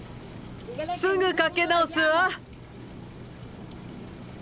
すぐかけ直すわ。